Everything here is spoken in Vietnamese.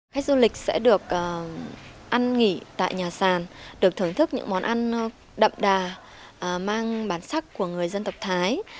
khách du lịch sẽ được ăn nghỉ tại nhà sàn được thưởng thức những món ăn đậm đà mang bản sắc của người dân tộc thái